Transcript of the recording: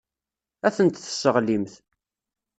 Ad ten-tesseɣlimt.